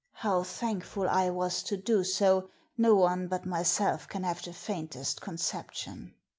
How thankful I was to do so no one but myself can have the faintest conception.